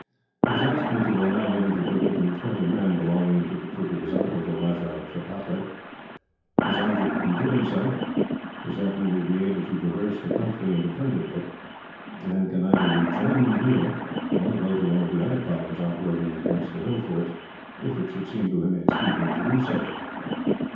He has asked me to allow him to take with him twenty men, belonging to the troop of his uncle, the Rajah of Tripataly. His object, in doing so, is that he will be able to traverse the country independently, and can either rejoin me here, or go to one of the other columns operating against the hill forts, if it should seem to him expedient to do so.